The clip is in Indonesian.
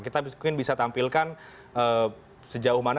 kita mungkin bisa tampilkan sejauh mana